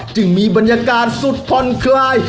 จึงมีบรรยากาศสุดผ่อนคลาย